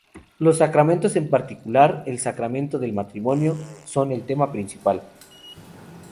Los Sacramentos, en particular el sacramento del matrimonio, son el tema principal.